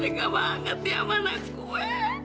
tengah banget ya anak gue